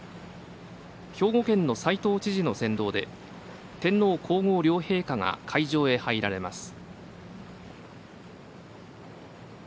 兵庫県の齋藤知事の先導で天皇皇后両陛下が会場へ入られます。